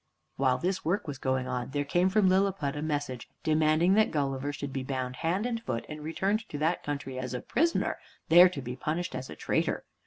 While this work was going on, there came from Lilliput a message demanding that Gulliver should be bound hand and foot and returned to that country as a prisoner, there to be punished as a traitor.